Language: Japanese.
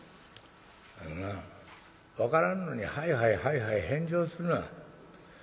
「あのな分からんのにはいはいはいはい返事をするな。